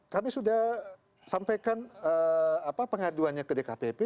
kami sudah sampaikan pengaduannya ke dkpp